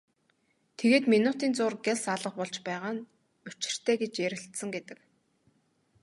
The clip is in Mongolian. Тэгээд минутын зуур гялс алга болж байгаа нь учиртай гэж ярилцсан гэдэг.